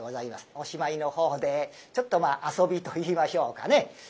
おしまいのほうでちょっと遊びといいましょうかね